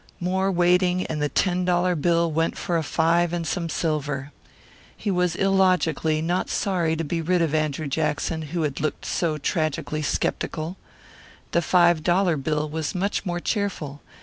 More waiting and the ten dollar bill went for a five and some silver. He was illogically not sorry to be rid of Andrew Jackson, who had looked so tragically skeptical. The five dollar bill was much more cheerful.